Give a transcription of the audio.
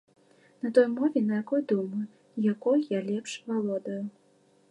На той мове, на якой думаю, якой я лепш валодаю.